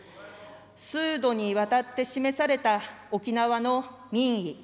数度にわたって示された沖縄の民意。